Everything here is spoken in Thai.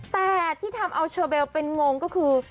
แต่ที่ทำเอาเชอเบลเป็นงงก็คือ